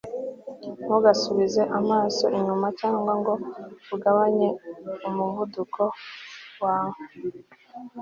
ntugasubize amaso inyuma cyangwa ngo ugabanye umuvuduko wawe